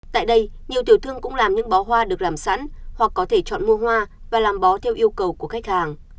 tại đây nhiều tiểu thương cũng làm những bó hoa được làm sẵn hoặc có thể chọn mua hoa và làm bó theo yêu cầu của khách hàng